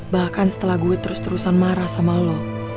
bahkan setelah gue terus terusan marah sama lo